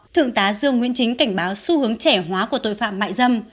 thượng tá dương nguyễn chính cảnh báo xu hướng trẻ hóa của tội phạm mại dâm